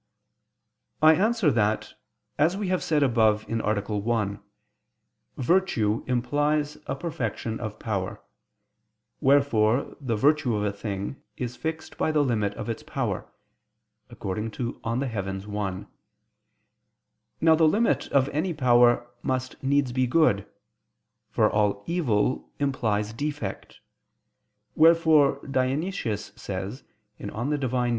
I answer that, As we have said above (A. 1), virtue implies a perfection of power: wherefore the virtue of a thing is fixed by the limit of its power (De Coelo i). Now the limit of any power must needs be good: for all evil implies defect; wherefore Dionysius says (Div. Hom.